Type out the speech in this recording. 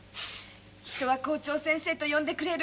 人は校長先生と呼んでくれる。